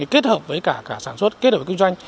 kết hợp với cả sản xuất kết hợp với kinh doanh